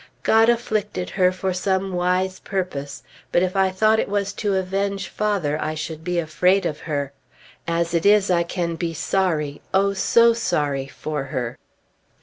God afflicted her for some wise purpose; but if I thought it was to avenge father, I should be afraid of her. As it is, I can be sorry, oh, so sorry for her!